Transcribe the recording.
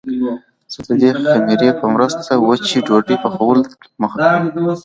زه د دې خمیرې په مرسته وچې ډوډۍ پخولو ته مخه کړه.